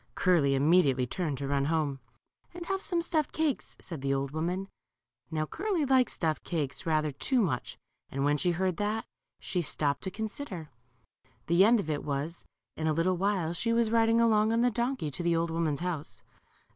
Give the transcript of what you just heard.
Curly immediately turned to run home. And have some stuffed cakes," said the old woman. Now Curly liked stuffed cakes rather too much, and when she heard that, she stopped to consider. The end of it was, in a little while she was riding along on the donkey to the old woman's house.